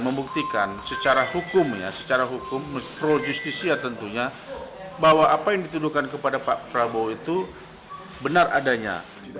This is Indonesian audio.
membuktikan secara hukum ya secara hukum pro justisia tentunya bahwa apa yang dituduhkan kepada pak prabowo itu benar adanya